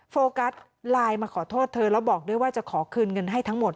โฟกัสไลน์มาขอโทษเธอแล้วบอกด้วยว่าจะขอคืนเงินให้ทั้งหมด